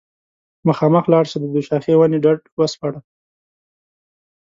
مخامخ لاړه شه د دوشاخې ونې ډډ وسپړه